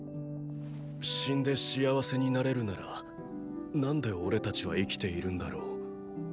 死んで幸せになれるなら何でおれたちは生きているんだろう。